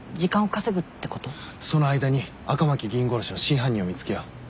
その間に赤巻議員殺しの真犯人を見つけよう。